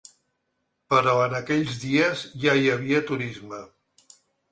Però en aquells dies ja hi havia turisme.